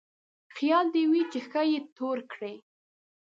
خيال دې وي چې ښه يې تور کړې.